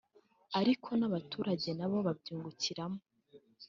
ariko n’abaturage nabo babyungukiramo